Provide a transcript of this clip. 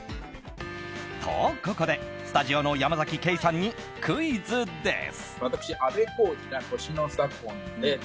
と、ここでスタジオの山崎ケイさんにクイズです。